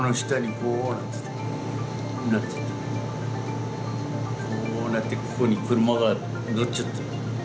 こうなって、ここに車が載っちょった。